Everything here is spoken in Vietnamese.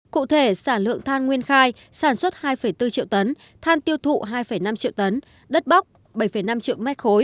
cụ thể sản lượng than nguyên khai sản xuất hai bốn triệu tấn than tiêu thụ hai năm triệu tấn đất bóc bảy năm triệu m ba